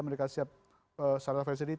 mereka siap secara versi